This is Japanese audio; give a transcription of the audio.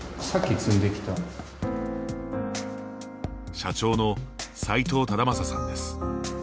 社長の齊藤忠政さんです。